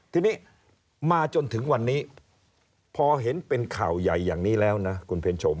ทีนี้มาจนถึงวันนี้พอเห็นเป็นข่าวใหญ่อย่างนี้แล้วนะคุณเพนชม